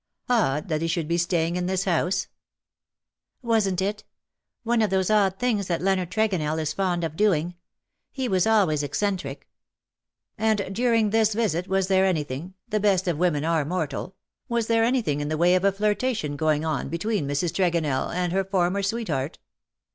Odd that he should be staying in this house V " Wasn't it ? One of those odd things that Leonard Tregonell is fond of doing. He was always eccentric." *'' And during this visit was there anything — the best of women are mortal — was there anything in the way of a flirtation going on between Mrs. Tregonell and her former sweetheart